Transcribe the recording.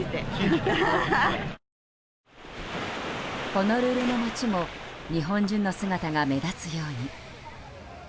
ホノルルの街も日本人の姿が目立つように。